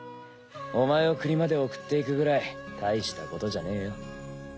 お前を国まで送っていくぐらい大したことじゃねえよ。